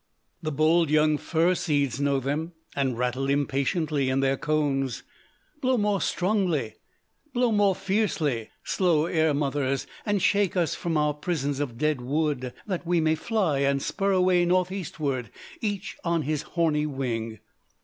"The bold young fir seeds know them, and rattle impatiently in their cones. 'Blow more strongly, blow more fiercely, slow air mothers, and shake us from our prisons of dead wood, that we may fly and spur away northeastward, each on his horny wing.